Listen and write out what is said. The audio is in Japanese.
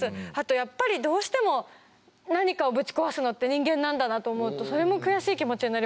やっぱりどうしても何かをぶち壊すのって人間なんだなと思うとそれも悔しい気持ちになりましたね。